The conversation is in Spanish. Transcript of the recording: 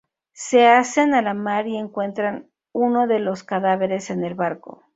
Se hacen a la mar y encuentran uno de los cadáveres en el barco.